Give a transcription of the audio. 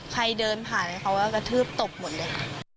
ใครเดินผ่านเขาก็กระทืบตบหมดเลย